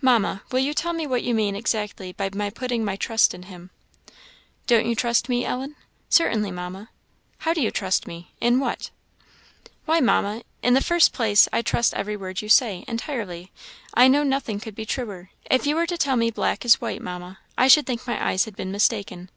"Mamma, will you tell me what you mean exactly by my 'putting my trust' in Him?" "Don't you trust me, Ellen?" "Certainly, Mamma." "How do you trust me? in what?" "Why, Mamma, in the first place I trust every word you say entirely I know nothing could be truer; if you were to tell me black is white, Mamma, I should think my eyes had been mistaken.